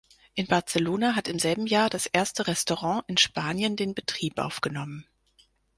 In Barcelona hat im selben Jahr das erste Restaurant in Spanien den Betrieb aufgenommen.